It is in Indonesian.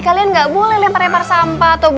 kelet maat teras ambil daripada di satu